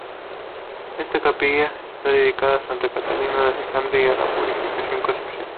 Esta capilla está dedicada a Santa Catalina de Alejandría y a la Purísima Concepción.